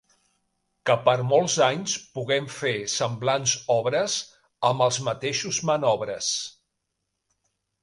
Que per molts anys puguem fer semblants obres amb els mateixos manobres.